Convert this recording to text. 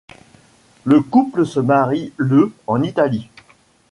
Le couple se marie le en Italie.